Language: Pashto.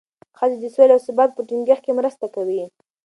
ښځې د سولې او ثبات په ټینګښت کې مرسته کوي.